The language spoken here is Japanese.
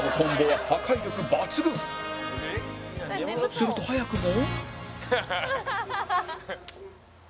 すると早くも